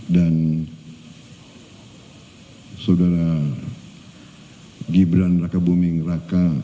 dan saudara gibran raka buming raka